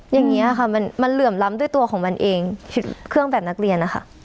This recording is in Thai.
อย่างนี้ค่ะมันเหลื่อมล้ำด้วยตัวของมันเองเครื่องแบบนักเรียนนะคะ